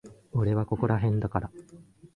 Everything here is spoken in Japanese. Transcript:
俺はここらへんだから。